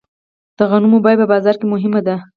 د غنمو بیه په بازار کې مهمه ده.